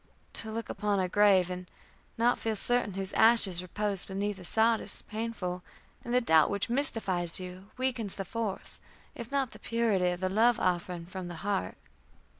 To look upon a grave, and not feel certain whose ashes repose beneath the sod, is painful, and the doubt which mystifies you, weakens the force, if not the purity, of the love offering from the heart.